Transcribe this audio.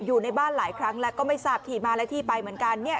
อยู่ในบ้านหลายครั้งแล้วก็ไม่ทราบที่มาและที่ไปเหมือนกันเนี่ย